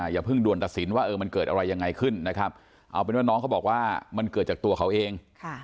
อย่าเพิ่งด่วนตัดสินว่ามันเกิดอะไรยังไงขึ้นนะครับเอาเป็นว่าน้องเขาบอกว่ามันเกิดจากตัวเขาเอง